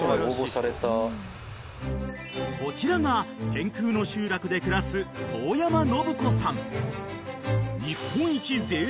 ［こちらが天空の集落で暮らす遠山信子さん］